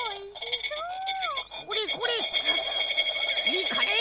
いいかね？